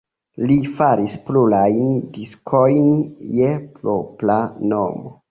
Li faris plurajn diskojn je propra nomo.